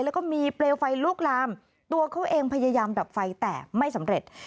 แล้วก็มีเปลวไฟลุกลามตัวเขาเองพยายามดับไฟแต่ไม่สำเร็จ